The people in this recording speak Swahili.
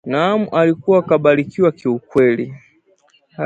Naam alikuwa kabarikiwa kiukweli